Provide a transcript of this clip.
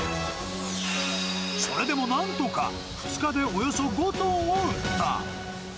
それでもなんとか２日でおよそ５トンを売った。